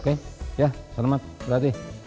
oke ya selamat berlatih